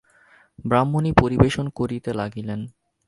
ব্রাহ্মণী পরিবেশন করিতে লাগিলেন।